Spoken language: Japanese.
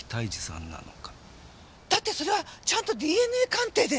だってそれはちゃんとＤＮＡ鑑定で。